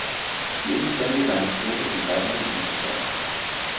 Die Umstände seines Todes sind weiterhin ungeklärt.